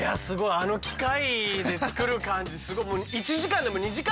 あの機械で作る感じすごい。